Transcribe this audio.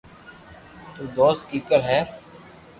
تو دوست ڪيڪر ھي